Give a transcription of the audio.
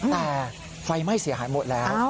แต่ไฟไหม้เสียหายหมดแล้ว